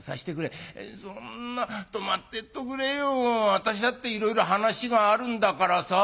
私だっていろいろ話があるんだからさ」。